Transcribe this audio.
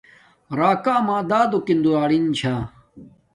راکا اما دادو انݣے دولارینے چھے